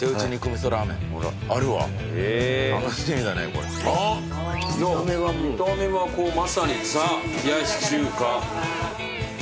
見た目はこうまさにザ・冷やし中華。